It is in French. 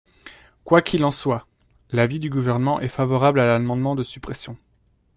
Quoi qu’il en soit, l’avis du Gouvernement est favorable à l’amendement de suppression.